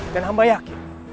dan hamba yakin